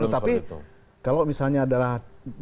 tapi kalau misalnya adalah